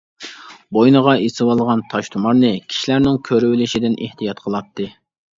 بوينىغا ئېسىۋالغان تاش تۇمارنى كىشىلەرنىڭ كۆرۈۋېلىشىدىن ئېھتىيات قىلاتتى.